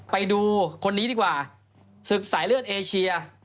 ไปดูคนนี้ดีกว่าศึกสายเลือดเอเชีย